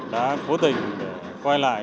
đã phố tỉnh để quay lại